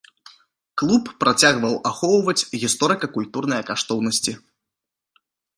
Клуб працягваў ахоўваць гісторыка-культурныя каштоўнасці.